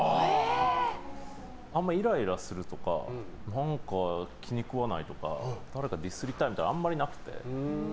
あまりイライラするとか何か気に食わないとか誰かディスりたいみたいなのはあまりなくて。